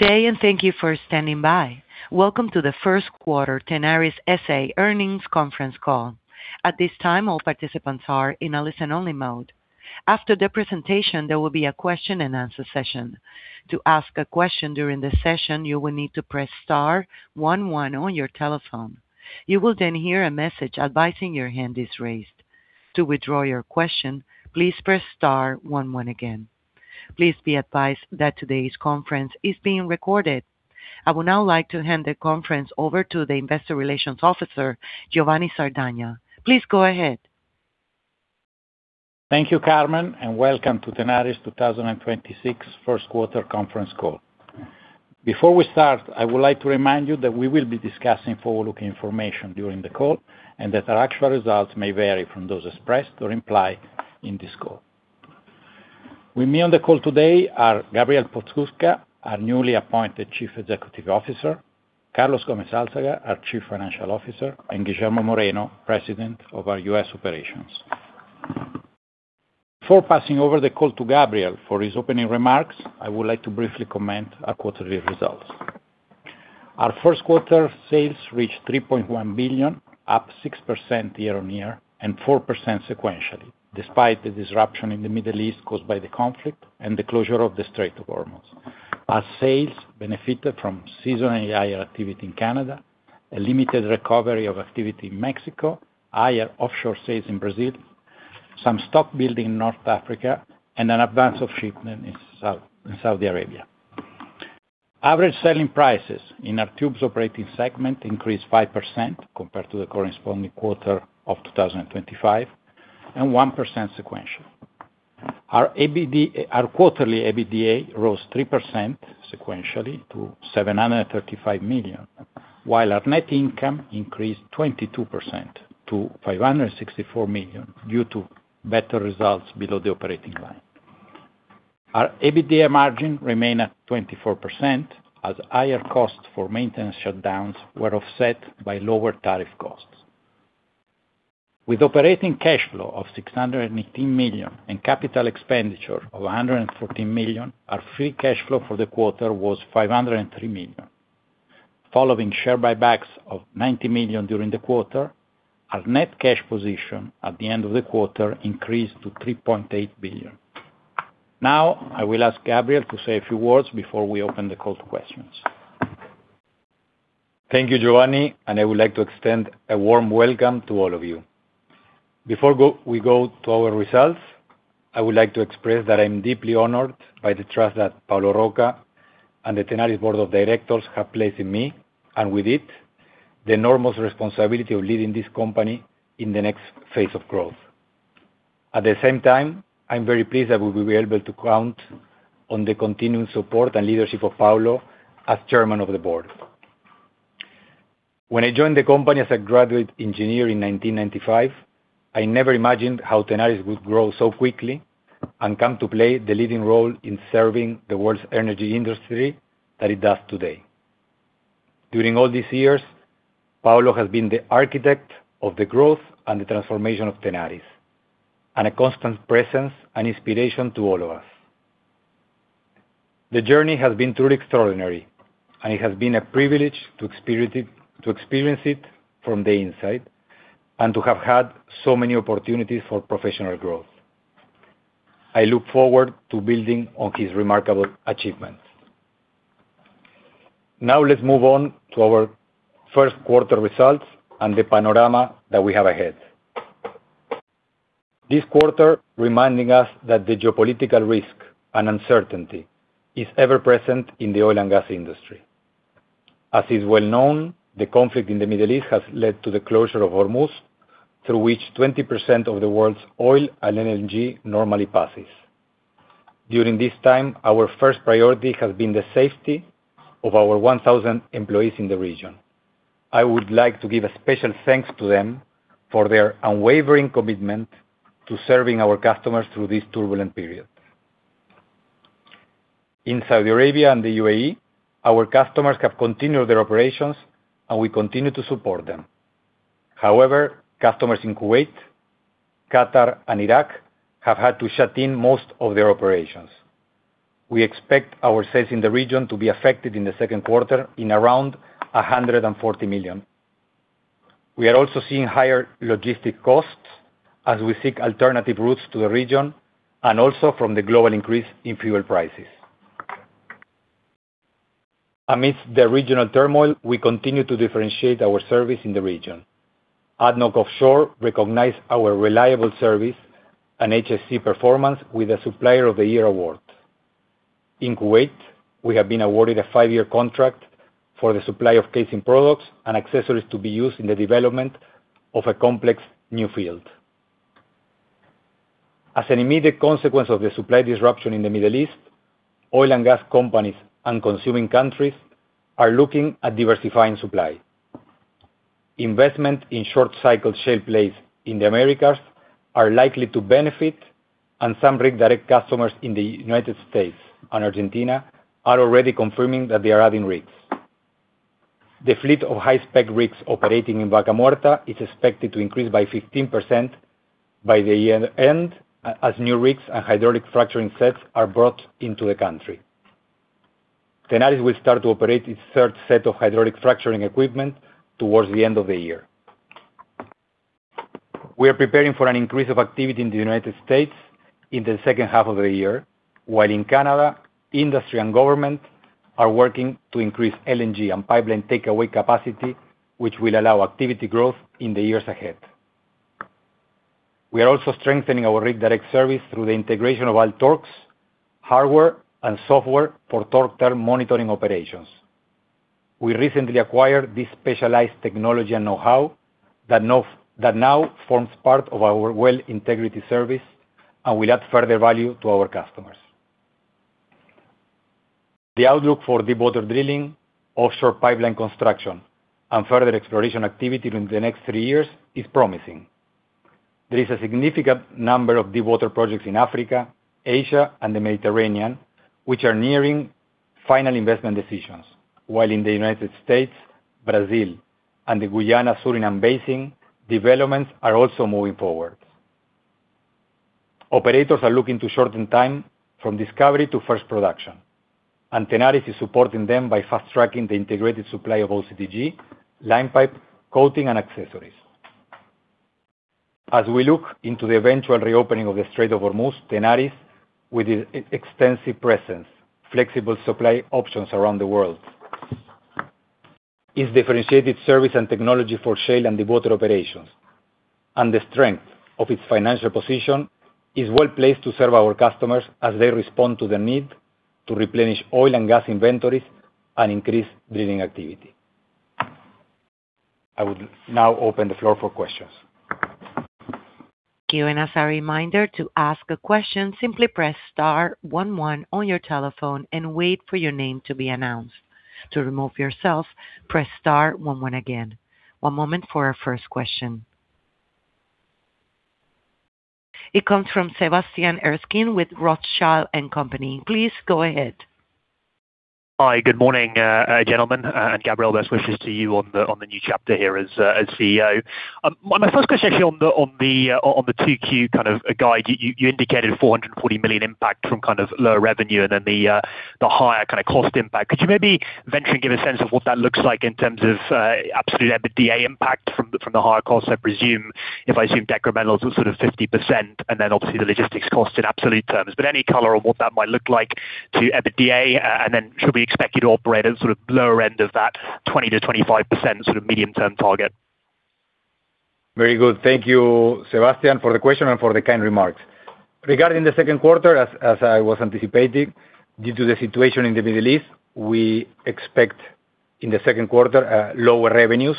Welcome to the first quarter Tenaris S.A. earnings conference call. I would now like to hand the conference over to the Investor Relations Officer, Giovanni Sardagna. Please go ahead. Thank you, Carmen, and welcome to Tenaris 2026 first quarter conference call. Before we start, I would like to remind you that we will be discussing forward-looking information during the call and that our actual results may vary from those expressed or implied in this call. With me on the call today are Gabriel Podskubka, our newly appointed Chief Executive Officer, Carlos Gómez Álzaga, our Chief Financial Officer, and Guillermo Moreno, President of our U.S. operations. Before passing over the call to Gabriel for his opening remarks, I would like to briefly comment our quarterly results. Our first quarter sales reached $3.1 billion, up 6% year-over-year and 4% sequentially, despite the disruption in the Middle East caused by the conflict and the closure of the Strait of Hormuz. Our sales benefited from seasonally higher activity in Canada, a limited recovery of activity in Mexico, higher offshore sales in Brazil, some stock building in North Africa, and an advance of shipment in Saudi Arabia. Average selling prices in our tubes operating segment increased 5% compared to the corresponding quarter of 2025, and 1% sequential. Our quarterly EBITDA rose 3% sequentially to $735 million, while our net income increased 22% to $564 million due to better results below the operating line. Our EBITDA margin remained at 24% as higher costs for maintenance shutdowns were offset by lower tariff costs. With operating cash flow of $618 million and capital expenditure of $114 million, our free cash flow for the quarter was $503 million. Following share buybacks of $90 million during the quarter, our net cash position at the end of the quarter increased to $3.8 billion. Now, I will ask Gabriel to say a few words before we open the call to questions. Thank you, Giovanni, and I would like to extend a warm welcome to all of you. Before we go to our results, I would like to express that I'm deeply honored by the trust that Paolo Rocca and the Tenaris board of directors have placed in me, and with it, the enormous responsibility of leading this company in the next phase of growth. At the same time, I'm very pleased that we will be able to count on the continuing support and leadership of Paolo as Chairman of the Board. When I joined the company as a graduate engineer in 1995, I never imagined how Tenaris would grow so quickly and come to play the leading role in serving the world's energy industry that it does today. During all these years, Paolo has been the architect of the growth and the transformation of Tenaris, and a constant presence and inspiration to all of us. The journey has been truly extraordinary, and it has been a privilege to experience it from the inside and to have had so many opportunities for professional growth. I look forward to building on his remarkable achievements. Let's move on to our first quarter results and the panorama that we have ahead, this quarter reminding us that the geopolitical risk and uncertainty is ever present in the oil and gas industry. As is well known, the conflict in the Middle East has led to the closure of Hormuz, through which 20% of the world's oil and LNG normally passes. During this time, our first priority has been the safety of our 1,000 employees in the region. I would like to give a special thanks to them for their unwavering commitment to serving our customers through this turbulent period. In Saudi Arabia and the UAE, our customers have continued their operations, and we continue to support them. However, customers in Kuwait, Qatar, and Iraq have had to shut in most of their operations. We expect our sales in the region to be affected in the second quarter in around $140 million. We are also seeing higher logistic costs as we seek alternative routes to the region and also from the global increase in fuel prices. Amidst the regional turmoil, we continue to differentiate our service in the region. ADNOC Offshore recognized our reliable service and HSE performance with a Supplier of the Year Award. In Kuwait, we have been awarded a five-year contract for the supply of casing products and accessories to be used in the development of a complex new field. As an immediate consequence of the supply disruption in the Middle East, oil and gas companies and consuming countries are looking at diversifying supply. Investment in short-cycle shale plays in the Americas are likely to benefit, and some Rig Direct customers in the U.S. and Argentina are already confirming that they are adding rigs. The fleet of high-spec rigs operating in Vaca Muerta is expected to increase by 15% by the year end as new rigs and hydraulic fracturing sets are brought into the country. Tenaris will start to operate its third set of hydraulic fracturing equipment towards the end of the year. We are preparing for an increase of activity in the United States in the second half of the year, while in Canada, industry and government are working to increase LNG and pipeline takeaway capacity, which will allow activity growth in the years ahead. We are also strengthening our Rig Direct service through the integration of all torques, hardware, and software for torque turn monitoring operations. We recently acquired this specialized technology and know-how that now forms part of our well integrity service and will add further value to our customers. The outlook for deep water drilling, offshore pipeline construction, and further exploration activity during the next three years is promising. There is a significant number of deepwater projects in Africa, Asia, and the Mediterranean, which are nearing Final Investment Decisions. In the United States, Brazil, and the Guyana-Suriname basin, developments are also moving forward. Operators are looking to shorten time from discovery to first production, and Tenaris is supporting them by fast-tracking the integrated supply of OCTG, line pipe, coating, and accessories. As we look into the eventual reopening of the Strait of Hormuz, Tenaris, with its extensive presence, flexible supply options around the world, its differentiated service and technology for shale and deep water operations, and the strength of its financial position, is well-placed to serve our customers as they respond to the need to replenish oil and gas inventories and increase drilling activity. I would now open the floor for questions. Giving us a reminder, to ask a question, simply press star one one on your telephone and wait for your name to be announced. To remove yourself, press star one one again. One moment for our first question. It comes from Sebastian Erskine with Rothschild and Company. Please go ahead. Hi. Good morning, gentlemen, and Gabriel, best wishes to you on the new chapter here as CEO. My first question actually on the 2Q kind of guide. You indicated $440 million impact from kind of lower revenue and then the higher kind of cost impact. Could you maybe venture and give a sense of what that looks like in terms of absolute EBITDA impact from the higher costs? I presume, if I assume decremental sort of 50%, and then obviously the logistics cost in absolute terms. Any color on what that might look like to EBITDA, and then should we expect you to operate at sort of lower end of that 20%-25% sort of medium-term target? Very good. Thank you, Sebastian, for the question and for the kind remarks. Regarding the second quarter, as I was anticipating, due to the situation in the Middle East, we expect in the second quarter lower revenues,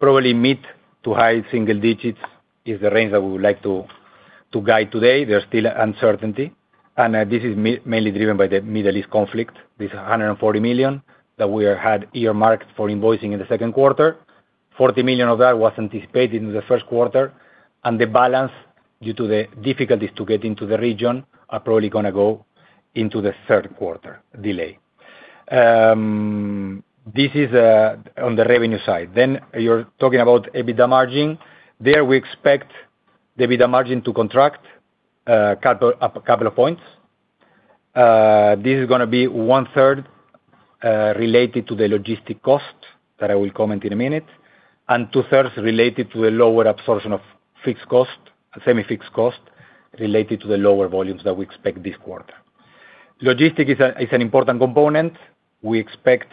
probably mid to high single digits is the range that we would like to guide today. There's still uncertainty. This is mainly driven by the Middle East conflict. This $140 million that we had earmarked for invoicing in the second quarter. $40 million of that was anticipated in the first quarter. The balance, due to the difficulties to get into the region, are probably gonna go into the third quarter delay. This is on the revenue side. You're talking about EBITDA margin. There, we expect the EBITDA margin to contract a couple of points. This is gonna be one-third related to the logistic cost that I will comment in a minute, and two-thirds related to the lower absorption of fixed cost, semi-fixed cost related to the lower volumes that we expect this quarter. Logistics is an important component. We expect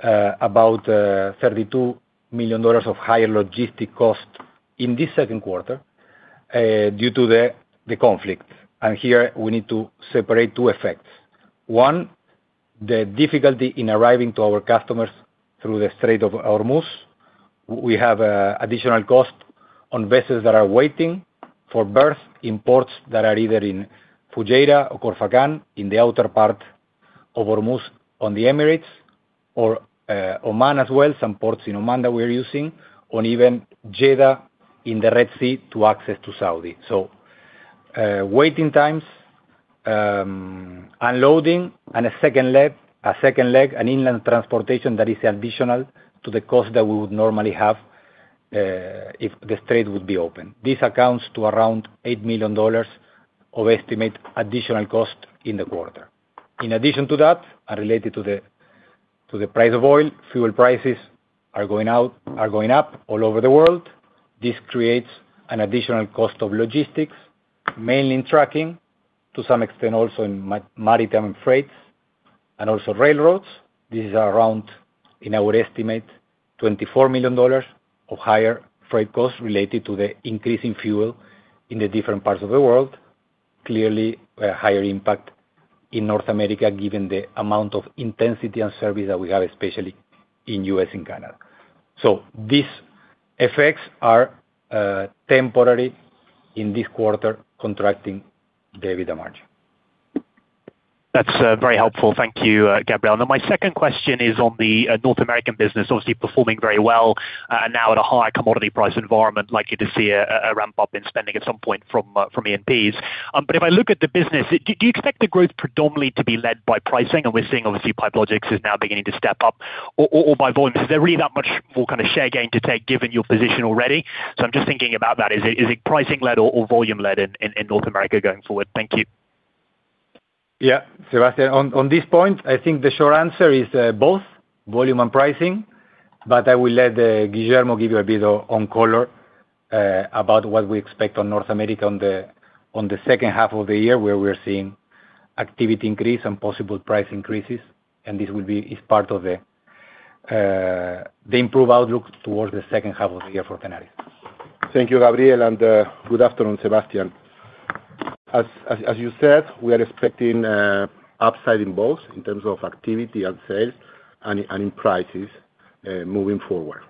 about $32 million of higher logistics costs in this second quarter due to the conflict. Here, we need to separate two effects. One, the difficulty in arriving to our customers through the Strait of Hormuz. We have additional cost on vessels that are waiting for berth in ports that are either in Fujairah or Khor Fakkan, in the outer part of Hormuz on the Emirates or Oman, as well some ports in Oman that we're using, or even Jeddah in the Red Sea to access to Saudi. Waiting times, unloading, and a second leg, an inland transportation that is additional to the cost that we would normally have, if the strait would be open. This accounts to around $8 million of estimate additional cost in the quarter. In addition to that, and related to the price of oil, fuel prices are going up all over the world. This creates an additional cost of logistics, mainly in trucking, to some extent also in maritime and freights, and also railroads. This is around, in our estimate, $24 million of higher freight costs related to the increase in fuel in the different parts of the world. Clearly, a higher impact in North America, given the amount of intensity and service that we have, especially in U.S. and Canada. These effects are temporary in this quarter, contracting the EBITDA margin. That's very helpful. Thank you, Gabriel. My second question is on the North American business, obviously performing very well, now at a higher commodity price environment, likely to see a ramp-up in spending at some point from E&Ps. If I look at the business, do you expect the growth predominantly to be led by pricing? We're seeing obviously PipeLogix is now beginning to step up, or by volume. Is there really that much more kind of share gain to take, given your position already? I'm just thinking about that. Is it pricing-led or volume-led in North America going forward? Thank you. Yeah. Sebastian, on this point, I think the short answer is both volume and pricing. I will let Guillermo give you a bit of on color about what we expect on North America on the second half of the year, where we're seeing activity increase and possible price increases. This is part of the improved outlook towards the second half of the year for Tenaris. Thank you, Gabriel. Good afternoon, Sebastian. As you said, we are expecting upside in both in terms of activity and sales and in prices moving forward.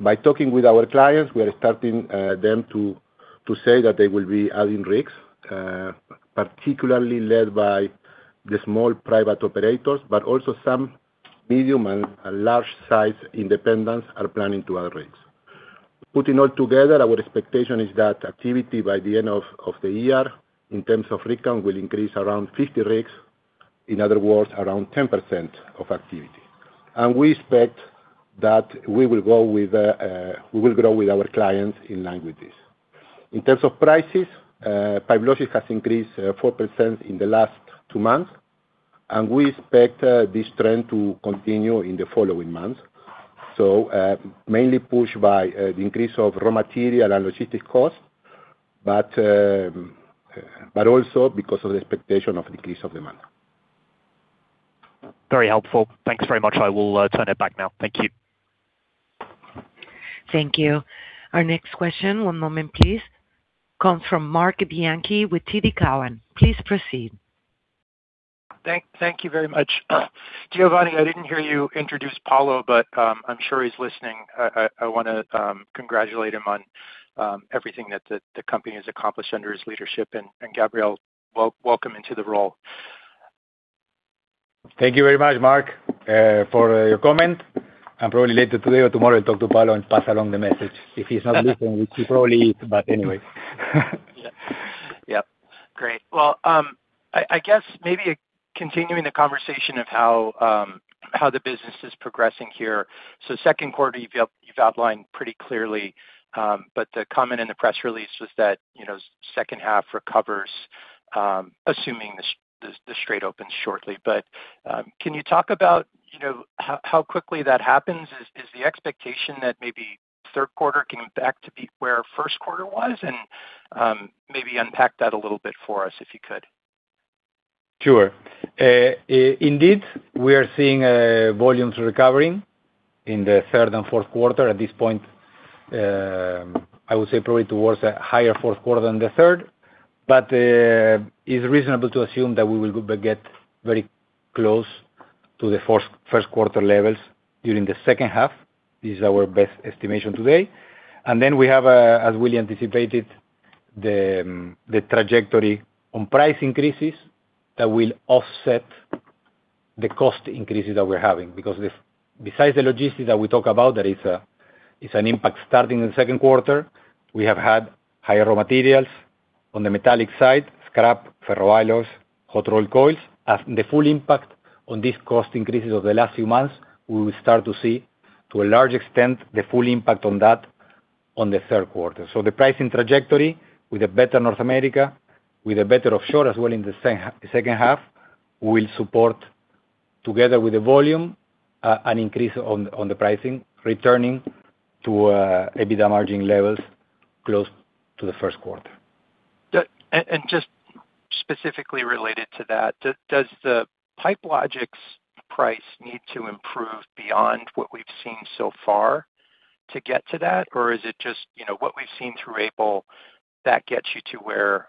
By talking with our clients, we are starting them to say that they will be adding rigs, particularly led by the small private operators, but also some medium and large-sized independents are planning to add rigs. Putting all together, our expectation is that activity by the end of the year in terms of rig count will increase around 50 rigs. In other words, around 10% of activity. We expect that we will grow with our clients in line with this. In terms of prices, PipeLogix has increased 4% in the last two months, and we expect this trend to continue in the following months. Mainly pushed by the increase of raw material and logistics costs, but also because of the expectation of increase of demand. Very helpful. Thanks very much. I will turn it back now. Thank you. Thank you. Our next question, one moment please, comes from Marc Bianchi with TD Cowen. Please proceed. Thank you very much. Giovanni, I didn't hear you introduce Paolo, but I'm sure he's listening. I wanna congratulate him on everything that the company has accomplished under his leadership. Gabriel, welcome into the role. Thank you very much, Marc, for your comment. Probably later today or tomorrow, I'll talk to Paolo and pass along the message. If he's not listening, which he probably is, but anyway. Yeah. Yep. Great. Well, I guess maybe continuing the conversation of how the business is progressing here. Second quarter, you've outlined pretty clearly, but the comment in the press release was that, you know, second half recovers, assuming the strait opens shortly. Can you talk about, you know, how quickly that happens? Is the expectation that maybe third quarter can come back to be where first quarter was? Maybe unpack that a little bit for us, if you could. Sure. Indeed, we are seeing volumes recovering in the third and fourth quarter. At this point, I would say probably towards a higher fourth quarter than the third. It's reasonable to assume that we will get very close to the first quarter levels during the second half. This is our best estimation today. We have, as we anticipated, the trajectory on price increases that will offset the cost increases that we're having. Besides the logistics that we talk about, there is an impact starting in the second quarter. We have had higher raw materials on the metallic side, scrap, ferroalloys, hot rolled coils. The full impact on these cost increases over the last few months, we will start to see, to a large extent, the full impact on that on the third quarter. The pricing trajectory with a better North America, with a better offshore as well in the second half, will support, together with the volume, an increase on the pricing, returning to EBITDA margin levels close to the first quarter. And just specifically related to that, does the PipeLogix price need to improve beyond what we've seen so far to get to that? Is it just, you know, what we've seen through April that gets you to where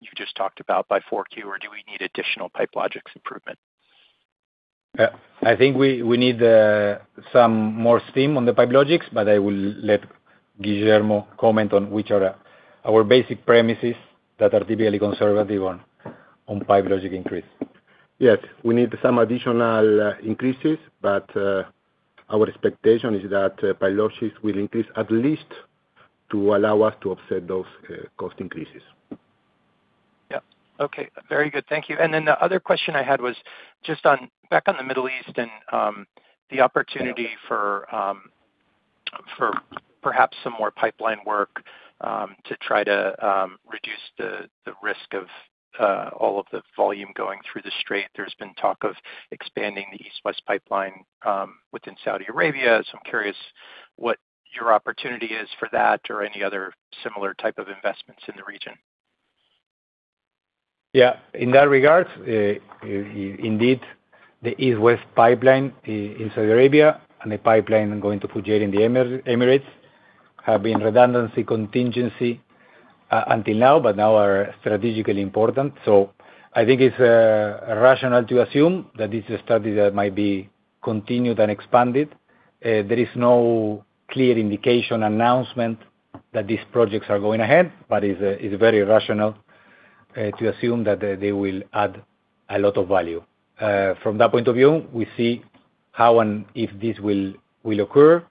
you just talked about by 4Q, or do we need additional PipeLogix improvement? I think we need some more steam on the PipeLogix, but I will let Guillermo comment on which are our basic premises that are typically conservative on PipeLogix increase. Yes. We need some additional increases, but our expectation is that PipeLogix will increase at least to allow us to offset those cost increases. Yeah. Okay. Very good. Thank you. The other question I had was just on back on the Middle East and the opportunity for perhaps some more pipeline work to try to reduce the risk of all of the volume going through the strait. There's been talk of expanding the East-West Pipeline within Saudi Arabia. I'm curious what your opportunity is for that or any other similar type of investments in the region. In that regard, indeed, the East-West Pipeline in Saudi Arabia and the pipeline going to Fujairah in the Emirates have been redundancy contingency until now, but now are strategically important. I think it's rational to assume that this is a study that might be continued and expanded. There is no clear indication, announcement that these projects are going ahead, but it's very rational to assume that they will add a lot of value. From that point of view, we see how and if this will occur.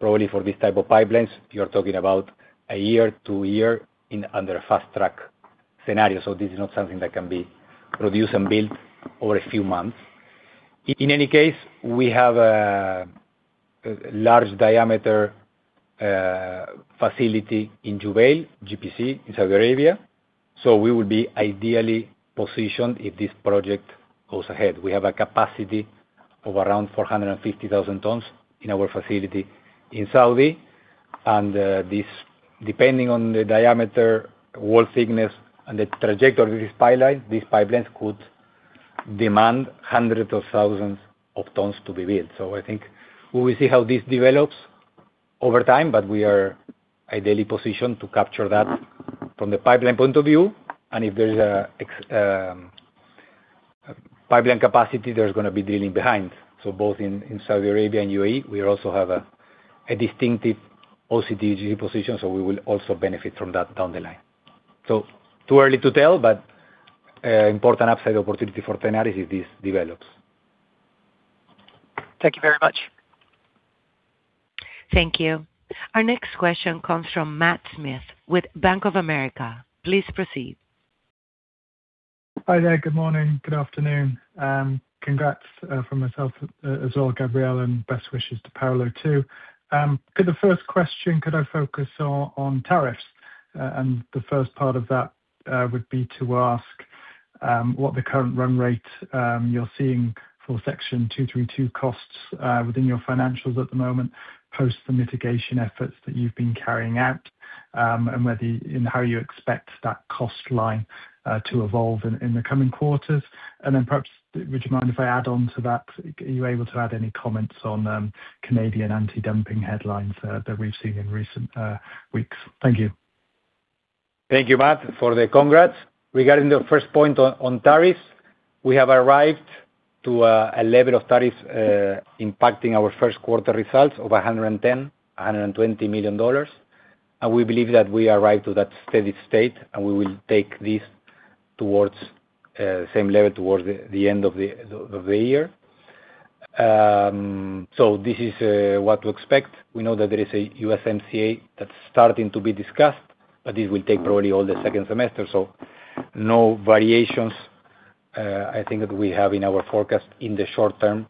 Probably for this type of pipelines, you're talking about a year, two year in under a fast-track scenario. This is not something that can be produced and built over a few months. In any case, we have a large diameter facility in Jubail, TenarisGPC in Saudi Arabia. We will be ideally positioned if this project goes ahead. We have a capacity of around 450,000 tons in our facility in Saudi Arabia. Depending on the diameter, wall thickness, and the trajectory of this pipeline, these pipelines could demand hundreds of thousands of tons to be built. I think we will see how this develops over time, but we are ideally positioned to capture that from the pipeline point of view. If there is a pipeline capacity, there's gonna be drilling behind. Both in Saudi Arabia and UAE, we also have a distinctive OCTG position, so we will also benefit from that down the line. Too early to tell, but important upside opportunity for Tenaris if this develops. Thank you very much. Thank you. Our next question comes from Matthew Smith with Bank of America. Please proceed. Hi there. Good morning. Good afternoon. Congrats from myself as well, Gabriel Podskubka, and best wishes to Paolo Rocca too. Could the first question, could I focus on tariffs? The first part of that would be to ask what the current run rate you're seeing for Section 232 costs within your financials at the moment, post the mitigation efforts that you've been carrying out, and whether and how you expect that cost line to evolve in the coming quarters. Then perhaps, would you mind if I add on to that? Are you able to add any comments on Canadian anti-dumping headlines that we've seen in recent weeks? Thank you. Thank you, Matt, for the congrats. Regarding the first point on tariffs, we have arrived to a level of tariffs impacting our first quarter results of $110 million, $120 million. We believe that we arrived to that steady state, and we will take this towards same level towards the end of the year. This is what to expect. We know that there is a USMCA that's starting to be discussed, but this will take probably all the second semester. No variations, I think that we have in our forecast in the short term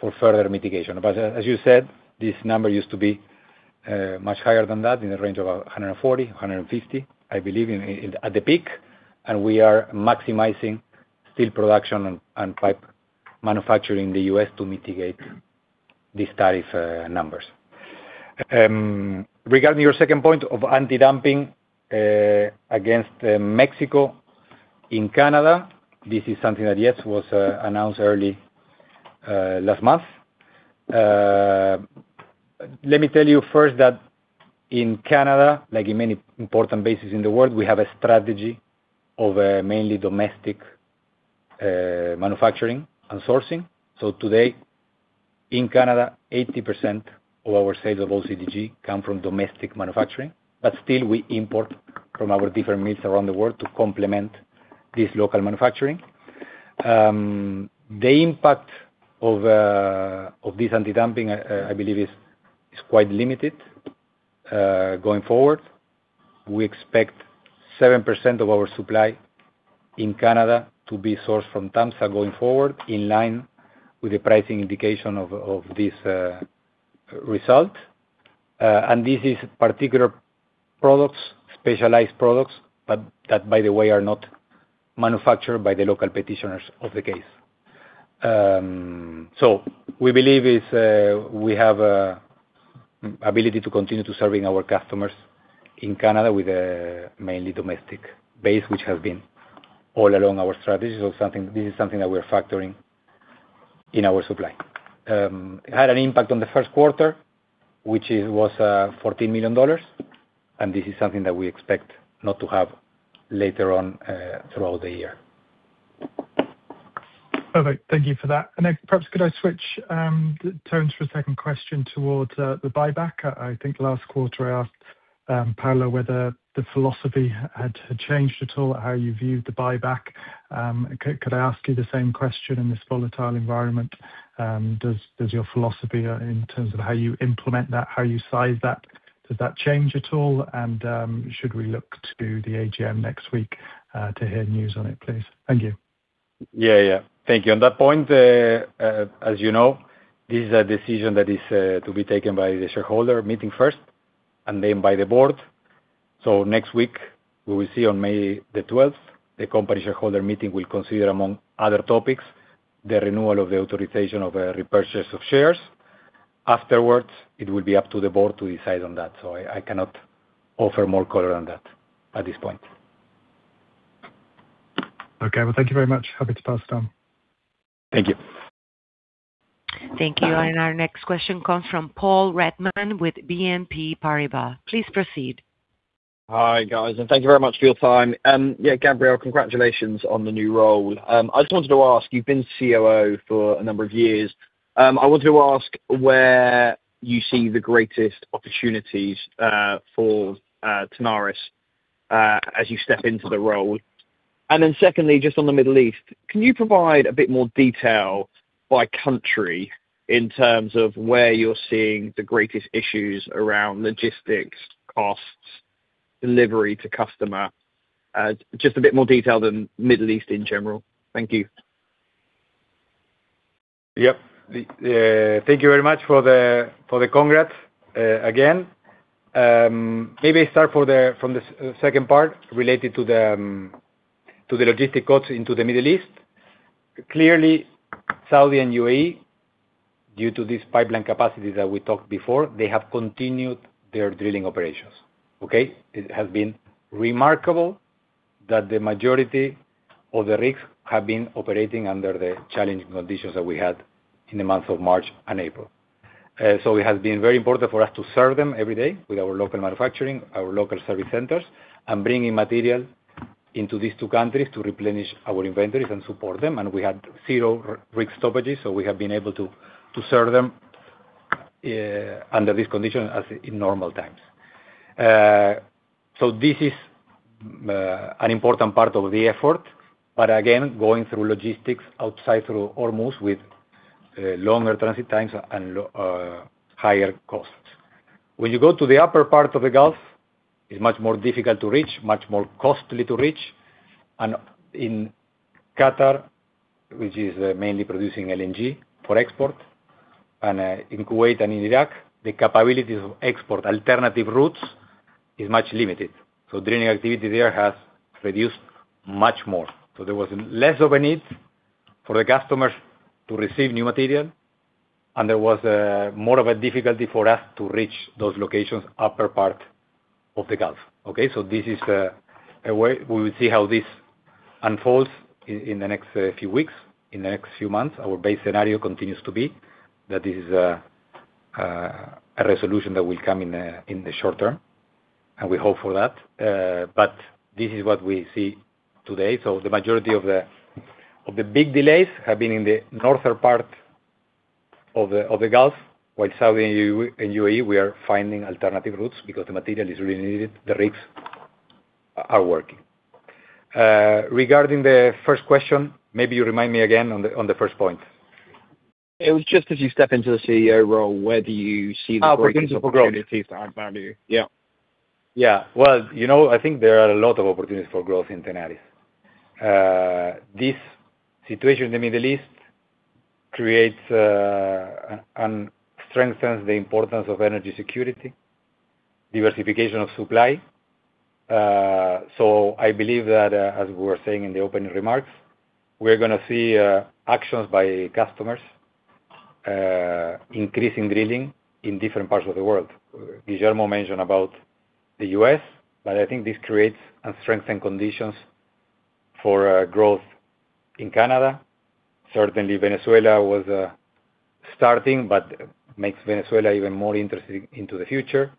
for further mitigation. As you said, this number used to be much higher than that, in the range of $140-$150, I believe in at the peak. We are maximizing steel production and pipe manufacturing in the U.S. to mitigate these tariff numbers. Regarding your second point of anti-dumping against Mexico in Canada, this is something that, yes, was announced early last month. Let me tell you first that in Canada, like in many important bases in the world, we have a strategy of mainly domestic manufacturing and sourcing. Today, in Canada, 80% of our sales of OCTG come from domestic manufacturing, but still we import from our different mills around the world to complement this local manufacturing. The impact of this anti-dumping, I believe, is quite limited going forward. We expect 7% of our supply in Canada to be sourced from Tamsa going forward, in line with the pricing indication of this result. This is particular products, specialized products, but that, by the way, are not manufactured by the local petitioners of the case. We believe is we have ability to continue to serving our customers in Canada with a mainly domestic base, which has been all along our strategies of something. This is something that we're factoring in our supply. It had an impact on the first quarter, which was $14 million. This is something that we expect not to have later on throughout the year. Okay. Thank you for that. Perhaps could I switch tones for a second question towards the buyback? I think last quarter I asked Paolo whether the philosophy had changed at all, how you viewed the buyback. Could I ask you the same question in this volatile environment? Does your philosophy in terms of how you implement that, how you size that, does that change at all? Should we look to the AGM next week to hear news on it, please? Thank you. Yeah, yeah. Thank you. On that point, as you know, this is a decision that is to be taken by the shareholder meeting first and then by the board. Next week, we will see on May the 12th, the company shareholder meeting will consider, among other topics, the renewal of the authorization of a repurchase of shares. Afterwards, it will be up to the board to decide on that. I cannot offer more color on that at this point. Okay. Well, thank you very much. Happy to pass it on. Thank you. Thank you. Our next question comes from Paul Redman with BNP Paribas. Please proceed. Hi, guys, and thank you very much for your time. Yeah, Gabriel, congratulations on the new role. I just wanted to ask, you've been COO for a number of years. I wanted to ask where you see the greatest opportunities for Tenaris as you step into the role. Secondly, just on the Middle East, can you provide a bit more detail by country in terms of where you're seeing the greatest issues around logistics costs, delivery to customer? Just a bit more detail than Middle East in general. Thank you. Yep. Thank you very much for the congrats again. Maybe I start from the second part related to the logistic costs into the Middle East. Clearly, Saudi Arabia, and UAE, due to this pipeline capacity that we talked before, they have continued their drilling operations. Okay? It has been remarkable that the majority of the rigs have been operating under the challenging conditions that we had in the months of March and April. It has been very important for us to serve them every day with our local manufacturing, our local service centers, and bringing material into these two countries to replenish our inventories and support them. We had zero rig stoppages, we have been able to serve them under this condition as in normal times. This is an important part of the effort, but again, going through logistics outside through Hormuz with longer transit times and higher costs. When you go to the upper part of the Gulf, it's much more difficult to reach, much more costly to reach. In Qatar, which is mainly producing LNG for export, and in Kuwait and Iraq, the capabilities of export alternative routes is much limited. Drilling activity there has reduced much more. There was less of a need for the customers to receive new material, and there was more of a difficulty for us to reach those locations, upper part of the Gulf. This is a way. We will see how this unfolds in the next few weeks, in the next few months. Our base scenario continues to be that this is a resolution that will come in the short term, and we hope for that. This is what we see today. The majority of the big delays have been in the northern part of the Gulf. While Saudi and UAE, we are finding alternative routes because the material is really needed. The rigs are working. Regarding the first question, maybe you remind me again on the first point. It was just as you step into the CEO role, where do you see the greatest opportunities? Opportunities for growth. I value. Yeah. Yeah. Well, you know, I think there are a lot of opportunities for growth in Tenaris. This situation in the Middle East creates and strengthens the importance of energy security, diversification of supply. So I believe that, as we were saying in the opening remarks, we're gonna see actions by customers, increasing drilling in different parts of the world. Guillermo mentioned about the U.S., but I think this creates and strengthen conditions for growth in Canada. Certainly, Venezuela was starting, but makes Venezuela even more interesting into the future.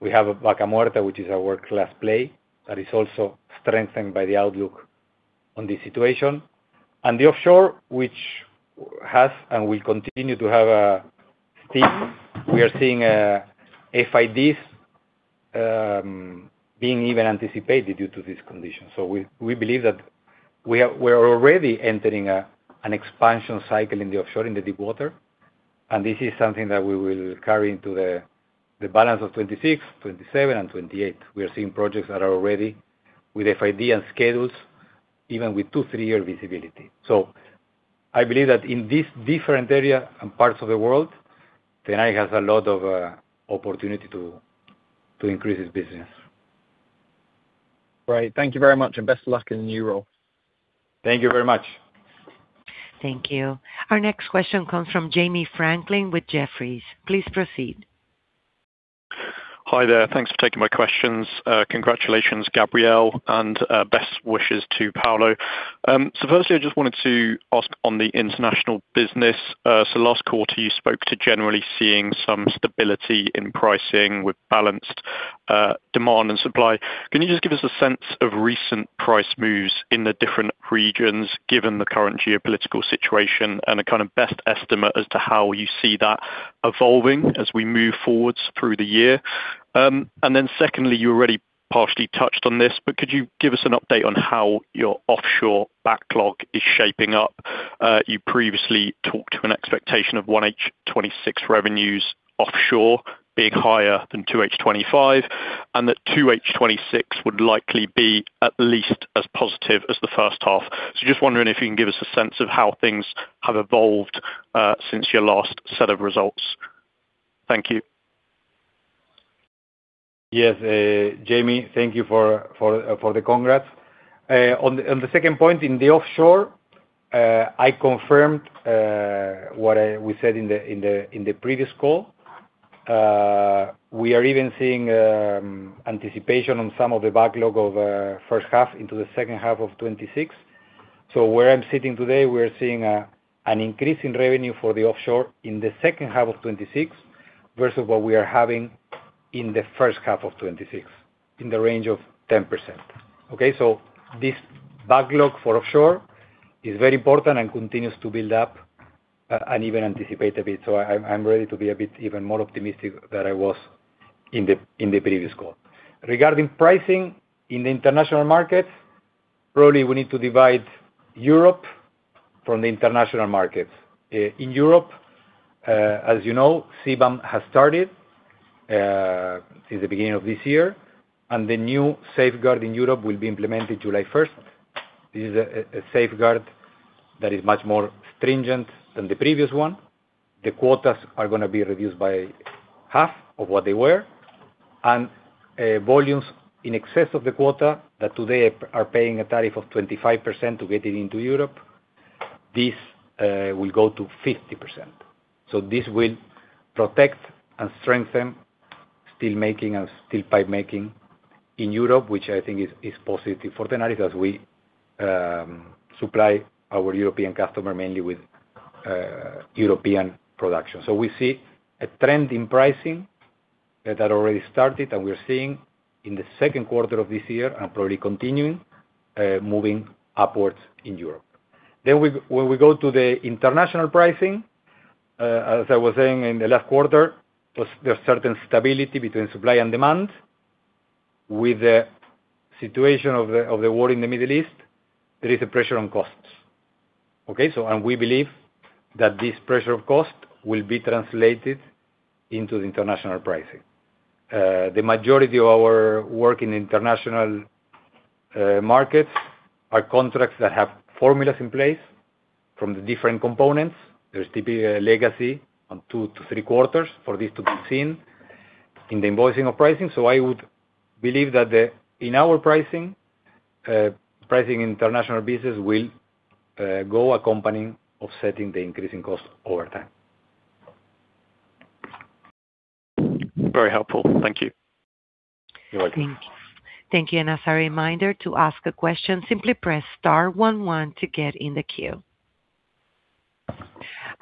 We have Vaca Muerta, which is our world-class play that is also strengthened by the outlook on this situation. The offshore, which has and will continue to have a steep, we are seeing FIDs being even anticipated due to this condition. We believe that we are already entering an expansion cycle in the offshore in the deep water, and this is something that we will carry into the balance of 2026, 2027, and 2028. We are seeing projects that are already with FID and schedules, even with two-three year visibility. I believe that in this different area and parts of the world, Tenaris has a lot of opportunity to increase its business. Right. Thank you very much, and best of luck in your new role. Thank you very much. Thank you. Our next question comes from Jamie Franklin with Jefferies. Please proceed. Hi there. Thanks for taking my questions. Congratulations, Gabriel, and best wishes to Paolo. Firstly, I just wanted to ask on the international business. Last quarter, you spoke to generally seeing some stability in pricing with balanced demand and supply. Can you just give us a sense of recent price moves in the different regions, given the current geopolitical situation, and a kind of best estimate as to how you see that evolving as we move forwards through the year? Secondly, you already partially touched on this, but could you give us an update on how your offshore backlog is shaping up? You previously talked to an expectation of 1H 2026 revenues offshore being higher than 2H 2025, and that 2H 2026 would likely be at least as positive as the first half. Just wondering if you can give us a sense of how things have evolved since your last set of results. Thank you. Yes. Jamie, thank you for the congrats. On the, on the second point in the offshore, I confirmed what I we said in the, in the, in the previous call. We are even seeing anticipation on some of the backlog of first half into the second half of 2026. Where I'm sitting today, we're seeing an increase in revenue for the offshore in the second half of 2026 versus what we are having in the first half of 2026, in the range of 10%. Okay. This backlog for offshore is very important and continues to build up, and even anticipate a bit. I'm ready to be a bit even more optimistic than I was in the, in the previous call. Regarding pricing in the international market, probably we need to divide Europe from the international markets. In Europe, as you know, CBAM has started since the beginning of this year, and the new safeguard in Europe will be implemented July 1st. This is a safeguard that is much more stringent than the previous one. The quotas are gonna be reduced by half of what they were, and volumes in excess of the quota that today are paying a tariff of 25% to get it into Europe, this will go to 50%. This will protect and strengthen steel making and steel pipe making in Europe, which I think is positive for Tenaris, as we supply our European customer mainly with European production. We see a trend in pricing that already started, and we're seeing in the second quarter of this year and probably continuing, moving upwards in Europe. When we go to the international pricing, as I was saying in the last quarter, there's certain stability between supply and demand. With the situation of the war in the Middle East, there is a pressure on costs. Okay? We believe that this pressure of cost will be translated into the international pricing. The majority of our work in international markets are contracts that have formulas in place from the different components. There's typically a legacy on two-three quarters for this to be seen in the invoicing of pricing. I would believe that in our pricing, international business will go accompanying offsetting the increasing cost over time. Very helpful. Thank you. You're welcome. Thank you. As a reminder, to ask a question, simply press star one one to get in the queue.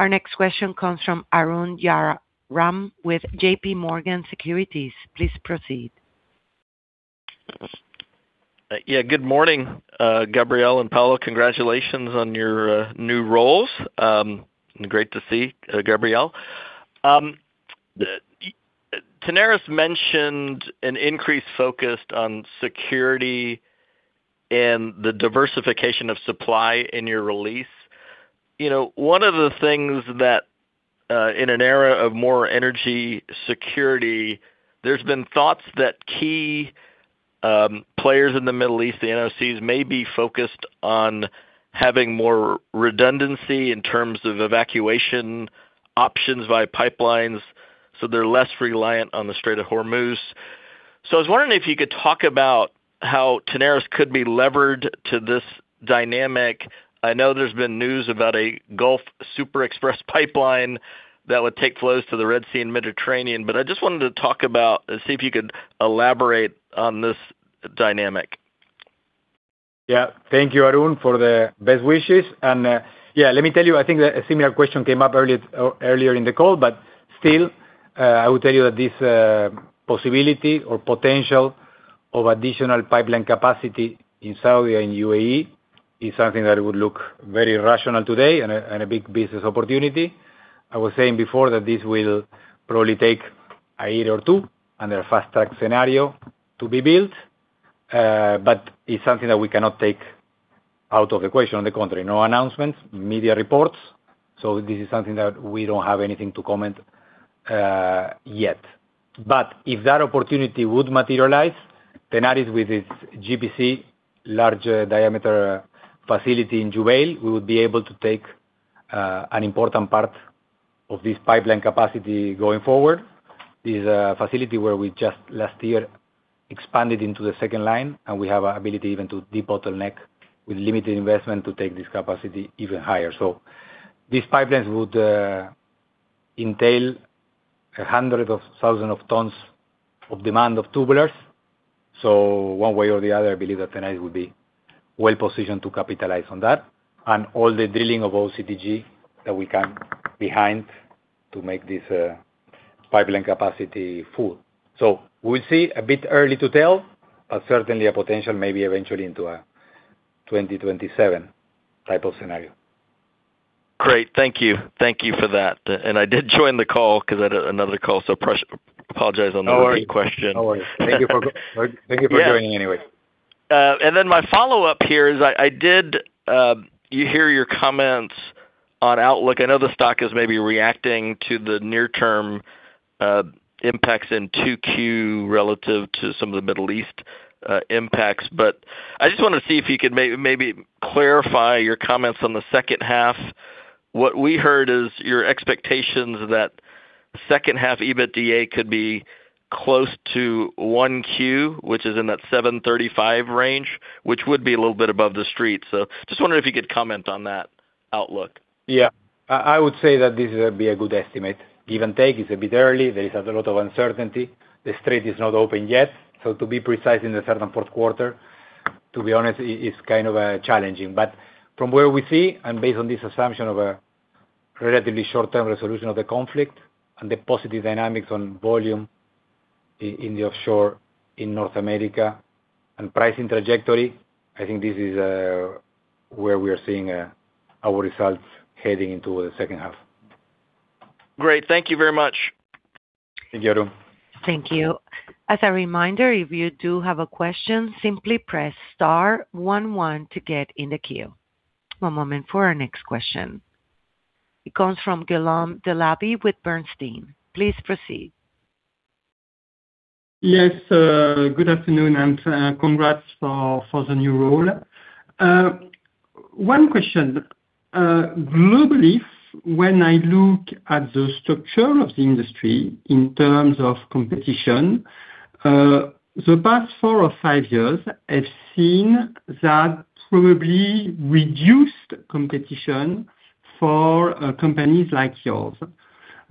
Our next question comes from Arun Jayaram with JPMorgan Securities LLC. Please proceed. Yeah, good morning, Gabriel and Paolo. Congratulations on your new roles. Great to see, Gabriel. Tenaris mentioned an increased focus on security and the diversification of supply in your release. You know, one of the things that, in an era of more energy security, there's been thoughts that key players in the Middle East, the NOCs, may be focused on having more redundancy in terms of evacuation options via pipelines, so they're less reliant on the Strait of Hormuz. I was wondering if you could talk about how Tenaris could be levered to this dynamic. I know there's been news about a Gulf Super Express pipeline that would take flows to the Red Sea and Mediterranean. I just wanted to talk about and see if you could elaborate on this dynamic. Thank you, Arun, for the best wishes. Let me tell you, I think that a similar question came up earlier in the call, but still, I will tell you that this possibility or potential of additional pipeline capacity in Saudi Arabia and UAE is something that would look very rational today and a big business opportunity. I was saying before that this will probably take a year or two under a fast-track scenario to be built. It's something that we cannot take out of equation. On the contrary, no announcements, media reports. This is something that we don't have anything to comment yet. If that opportunity would materialize, Tenaris with its TenarisGPC larger diameter facility in Jubail, we would be able to take an important part of this pipeline capacity going forward. This is a facility where we just last year expanded into the second line, and we have an ability even to debottleneck with limited investment to take this capacity even higher. These pipelines would entail 100,000 tons of demand of tubulars. One way or the other, I believe that Tenaris would be well positioned to capitalize on that, and all the drilling of OCTG that we can behind to make this pipeline capacity full. We'll see. A bit early to tell, but certainly a potential, maybe eventually into a 2027 type of scenario. Great. Thank you. Thank you for that. I did join the call because I had another call, apologize on the late question. No worries. Thank you for joining anyway. My follow-up here is you hear your comments on Outlook. I know the stock is maybe reacting to the near-term impacts in 2Q relative to some of the Middle East impacts. I just wanna see if you could clarify your comments on the second half. What we heard is your expectations that second half EBITDA could be close to 1Q, which is in that $735 range, which would be a little bit above the street. Just wondering if you could comment on that. Yeah. I would say that this would be a good estimate. Give and take, it's a bit early. There is a lot of uncertainty. The Strait is not open yet. To be precise in the third and fourth quarter, to be honest, it's kind of challenging. From where we see, and based on this assumption of a relatively short-term resolution of the conflict and the positive dynamics on volume in the offshore in North America and pricing trajectory, I think this is where we are seeing our results heading into the second half. Great. Thank you very much. Thank you. Thank you. As a reminder, if you do have a question, simply press star one one to get in the queue. One moment for our next question. It comes from Guillaume Delaby with Bernstein. Please proceed. Yes. Good afternoon, and congrats for the new role. One question. Globally, when I look at the structure of the industry in terms of competition, the past four or five years have seen that probably reduced competition for companies like yours.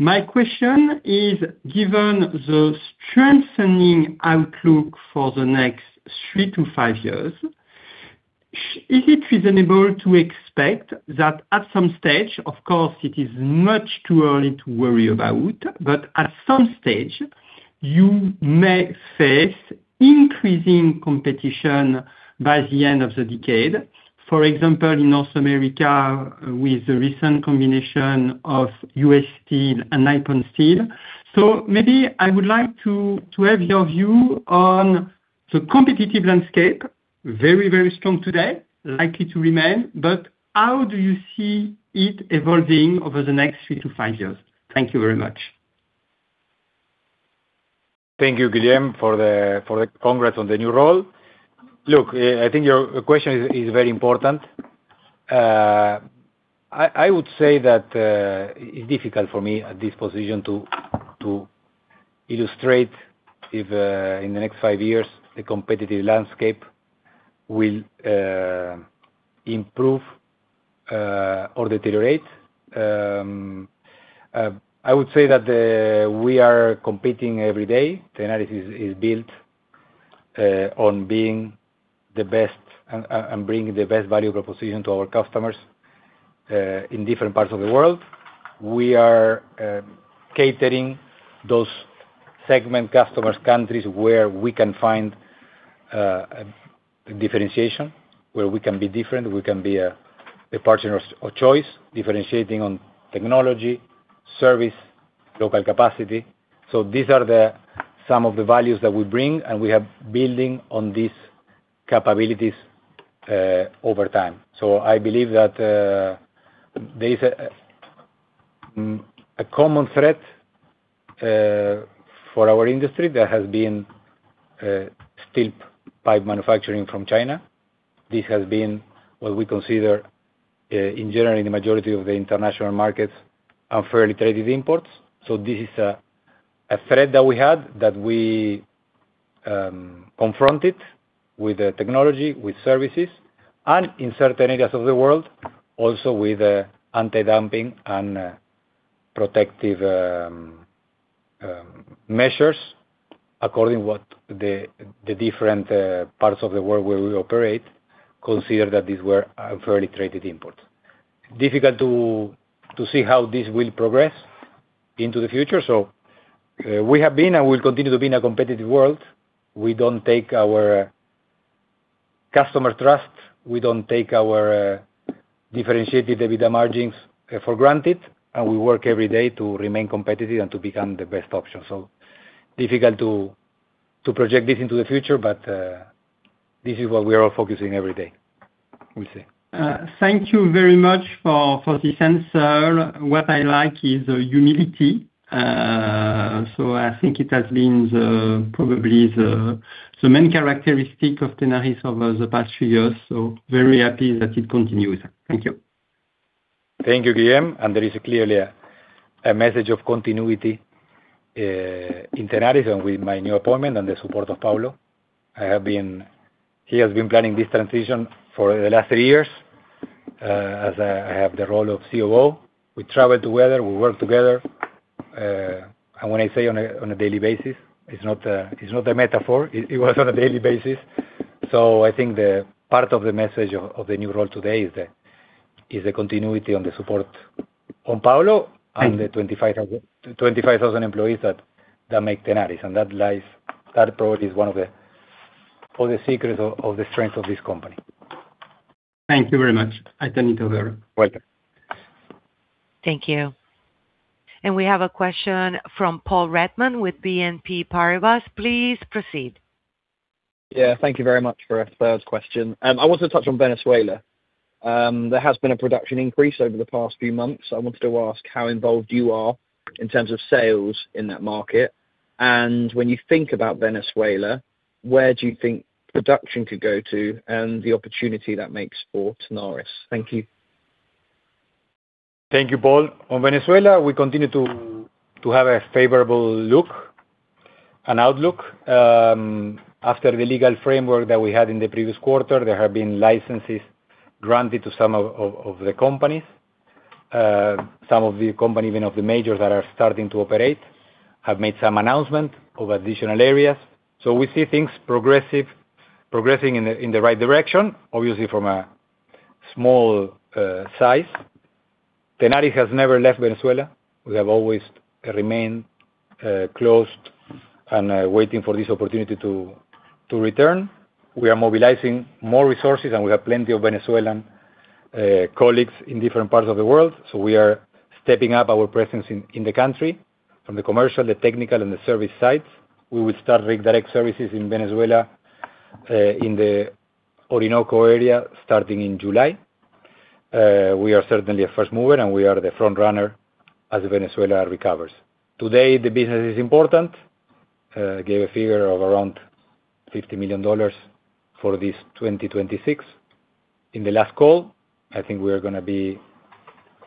My question is, given the strengthening outlook for the next three-five years, is it reasonable to expect that at some stage, of course it is much too early to worry about, but at some stage you may face increasing competition by the end of the decade, for example, in North America with the recent combination of U.S. Steel and Nippon Steel. Maybe I would like to have your view on the competitive landscape, very, very strong today, likely to remain, but how do you see it evolving over the next three-five years? Thank you very much. Thank you, Guillaume, for the congrats on the new role. I think your question is very important. I would say that it's difficult for me at this position to illustrate if in the next five years, the competitive landscape will improve or deteriorate. I would say that we are competing every day. Tenaris is built on being the best and bringing the best value proposition to our customers in different parts of the world. We are catering those segment customers countries where we can find differentiation, where we can be different, we can be the partner of choice, differentiating on technology, service, local capacity. These are the some of the values that we bring, and we have building on these capabilities over time. I believe that there is a common thread for our industry. There has been steel pipe manufacturing from China. This has been what we consider, in general, in the majority of the international markets, are fairly traded imports. This is a thread that we had that we confronted with the technology, with services, and in certain areas of the world, also with the anti-dumping and protective measures, according what the different parts of the world where we operate consider that these were fairly traded imports. Difficult to see how this will progress into the future. We have been and will continue to be in a competitive world. We don't take our customer trust, we don't take our differentiated EBITDA margins for granted, and we work every day to remain competitive and to become the best option. Difficult to project this into the future. This is what we are all focusing every day. We'll see. Thank you very much for this answer. What I like is the humility. I think it has been probably the main characteristic of Tenaris over the past few years. Very happy that it continues. Thank you. Thank you, Guillaume. There is clearly a message of continuity in Tenaris with my new appointment and the support of Paolo. He has been planning this transition for the last three years. As I have the role of COO, we traveled together, we worked together. When I say on a daily basis, it's not a metaphor. It was on a daily basis. I think the part of the message of the new role today is the continuity and the support from Paolo and the 25,000 employees that make Tenaris. That approach is one of the, all the secrets of the strength of this company. Thank you very much. I turn it over. Welcome. Thank you. We have a question from Paul Redman with BNP Paribas. Please proceed. Yeah. Thank you very much for a first question. I wanted to touch on Venezuela. There has been a production increase over the past few months. I wanted to ask how involved you are in terms of sales in that market. When you think about Venezuela, where do you think production could go to and the opportunity that makes for Tenaris? Thank you. Thank you, Paul. On Venezuela, we continue to have a favorable outlook after the legal framework that we had in the previous quarter, there have been licenses granted to some of the companies. Some of the companies, even of the majors that are starting to operate, have made some announcement of additional areas. We see things progressing in the right direction, obviously from a small size. Tenaris has never left Venezuela. We have always remained closed and waiting for this opportunity to return. We are mobilizing more resources, and we have plenty of Venezuelan colleagues in different parts of the world, so we are stepping up our presence in the country from the commercial, the technical, and the service sides. We will start Rig Direct services in Venezuela, in the Orinoco area, starting in July. We are certainly a first mover, and we are the frontrunner as Venezuela recovers. Today, the business is important. Gave a figure of around $50 million for this 2026. In the last call, I think we are gonna be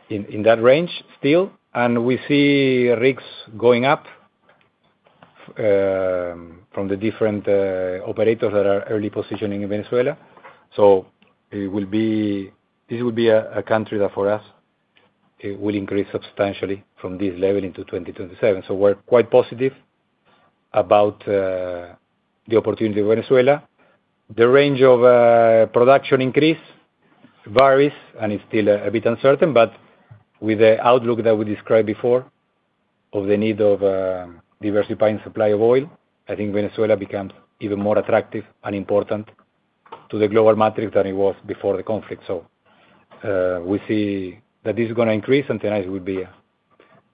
in that range still, and we see rigs going up from the different operators that are early positioning in Venezuela. This will be a country that, for us, it will increase substantially from this level into 2027. We're quite positive about the opportunity in Venezuela. The range of production increase varies and is still a bit uncertain, but with the outlook that we described before of the need of diversifying supply of oil, I think Venezuela becomes even more attractive and important to the global matrix than it was before the conflict. We see that this is going to increase, and Tenaris will be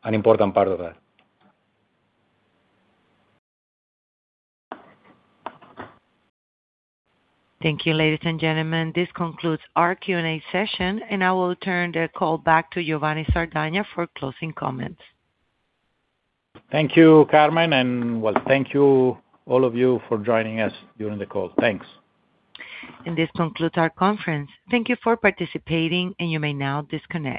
an important part of that. Thank you, ladies and gentlemen. This concludes our Q&A session, and I will turn the call back to Giovanni Sardagna for closing comments. Thank you, Carmen, and well, thank you all of you for joining us during the call. Thanks. This concludes our conference. Thank you for participating, and you may now disconnect.